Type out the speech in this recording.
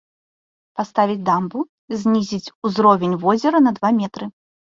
Паставіць дамбу, знізіць узровень возера на два метры.